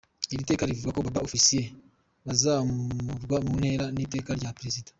Iri teka rivuga ko Ba Ofisiye bazamurwa mu ntera n’iteka rya Perezida.